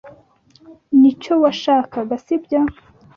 Nicyo washakaga, sibyo?